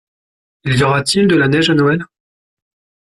Y aura-t-il de la neige à Noël ?